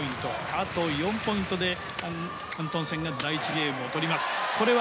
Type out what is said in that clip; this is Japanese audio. あと４ポイントでアントンセンが第１ゲームを取ります。